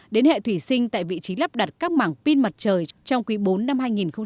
đến hệ thủy sinh tại vị trí lắp đặt các mảng pin mặt trời trong quý bốn năm hai nghìn hai mươi